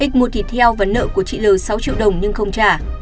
x mua thịt heo và nợ của chị l sáu triệu đồng nhưng không trả